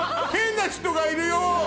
変な人がいるよ